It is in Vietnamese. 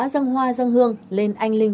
dâng hoa dâng hương lên anh linh